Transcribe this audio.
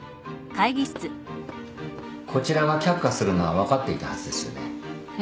こちらが却下するのは分かっていたはずですよね。